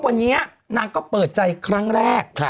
วันนี้นางก็เปิดใจครั้งแรก